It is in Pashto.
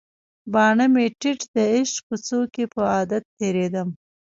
باڼه مې ټیټ د عشق کوڅو کې په عادت تیریدم